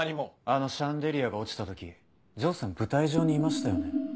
あのシャンデリアが落ちた時城さん舞台上にいましたよね。